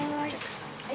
はい。